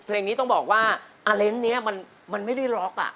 เพลงนี้ต้องบอกว่าอเลนส์นี้มันไม่ได้ล็อกอ่ะ